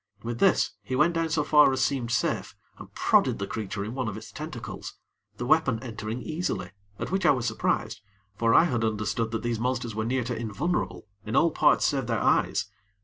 With this, he went down so far as seemed safe, and prodded the creature in one of its tentacles the weapon entering easily, at which I was surprised, for I had understood that these monsters were near to invulnerable in all parts save their eyes.